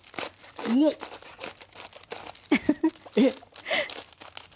えっ！